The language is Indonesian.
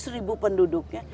lima ratus ribu penduduknya